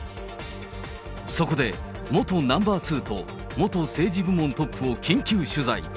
そこで元ナンバー２と元政治部門トップを緊急取材。